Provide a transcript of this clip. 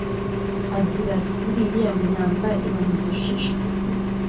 Agira ati “Burya iriya myanda iba mu gishishwa